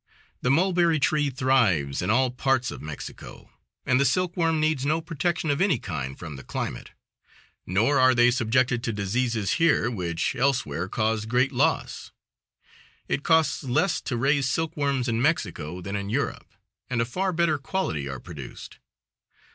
The mulberry tree thrives in all parts of Mexico and the silk worm needs no protection of any kind from the climate, nor are they subjected to diseases here which elsewhere cause great loss. It costs less to raise silk worms in Mexico than in Europe, and a far better quality are produced.